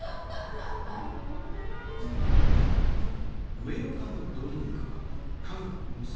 ウエルカムドリンクは韓国の酒